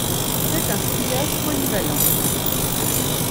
C'est un skieur polyvalent.